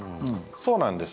そうなんです。